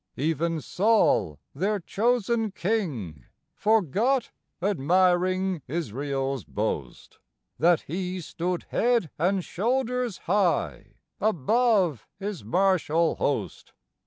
Even Saul, their chosen king, forgot (admiring Israel's boast!) That he stood head and shoulders high above his martial host.